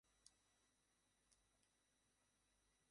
চেন্নাই গিয়ে তাদের ব্যাপারে খোঁজ নিয়ে আমাকে আপডেট জানাবে।